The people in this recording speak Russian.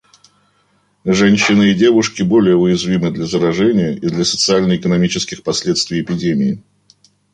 Женщины и девушки более уязвимы для заражения и для социально-экономических последствий эпидемии.